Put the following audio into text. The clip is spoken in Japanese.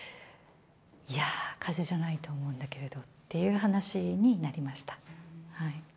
いやぁ、かぜじゃないとおもうんだけれど、という話になりました。